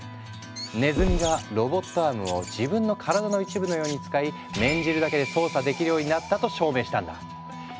ねずみがロボットアームを自分の体の一部のように使い念じるだけで操作できるようになったと証明したんだ。